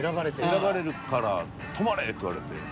「選ばれるから泊まれ」って言われて。